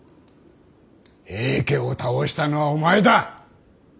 平家を倒したのはお前だ。